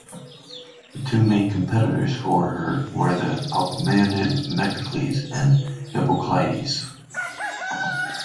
The two main competitors for her were the Alcmaeonid Megacles, and Hippocleides.